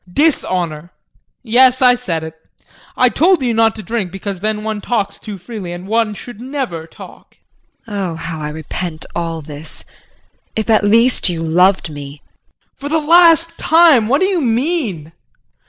JEAN. Dishonor yes, I said it. I told you not to drink because then one talks too freely and one should never talk. JULIE. Oh, how I repent all this. If at least you loved me! JEAN. For the last time what do you mean?